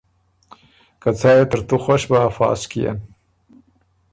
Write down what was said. که څا يې ترتُو خوش بۀ افۀ سو کيېن۔